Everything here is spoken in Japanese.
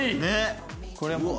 これはもう。